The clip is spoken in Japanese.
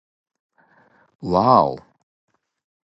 わぁお